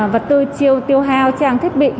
vật tư chiêu tiêu hao trang thiết bị